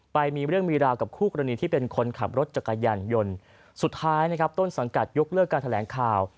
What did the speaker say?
ไปมีเรื่องมีราวกับคู่กรณีที่เป็นคนขับรถจักรยานยนต์สุดท้ายนะครับต้นสังกัดยกเลิกการแถลงข่าว